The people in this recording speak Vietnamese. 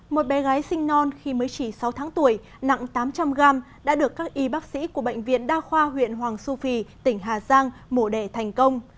một bé gái sinh non khi mới chỉ sáu tháng tuổi nặng tám trăm linh g đã được các y bác sĩ của bệnh viện đa khoa huyện hoàng su phi tỉnh hà giang mổ đẻ thành công